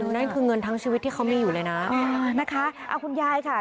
นั่นคือเงินทั้งชีวิตที่เขามีอยู่เลยนะนะคะเอาคุณยายค่ะ